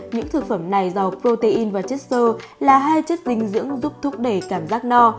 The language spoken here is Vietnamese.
những thực phẩm này do protein và chất sơ là hai chất dinh dưỡng giúp thúc đẩy cảm giác no